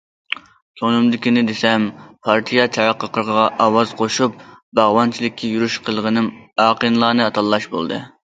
كۆڭلۈمدىكىنى دېسەم، پارتىيە چاقىرىقىغا ئاۋاز قوشۇپ باغۋەنچىلىككە يۈرۈش قىلغىنىم ئاقىلانە تاللاش بولدى.